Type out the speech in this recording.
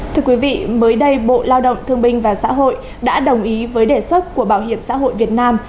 thưa quý vị mới đây bộ lao động thương binh và xã hội đã đồng ý với đề xuất của bảo hiểm xã hội việt nam